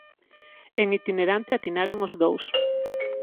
En itinerante atinaron os dous: